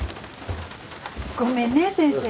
ごめんね先生。